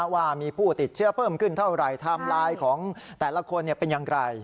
ว่ามีผู้ติดเชื้อเพิ่มขึ้นเท่าไหร่ไทม์ไลน์ของแต่ละคนเป็นอย่างไร